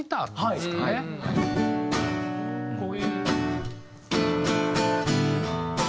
こういう。